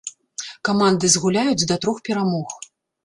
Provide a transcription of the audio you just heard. Каманды згуляюць да трох перамог.